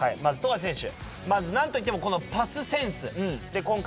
富樫選手。